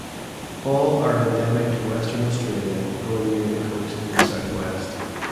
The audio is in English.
All are endemic to Western Australia, growing near the coast in the south west.